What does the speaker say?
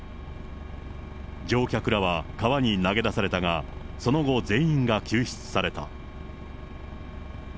乗客らは川に投げ出されたが、その後、全員が救出された。